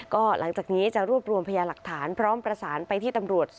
ก็หลังจากนี้จะรวบรวมพยาหลักฐานพร้อมประสานไปที่ตำรวจ